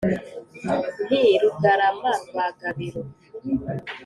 Nti: Rugarama rwa Gabiro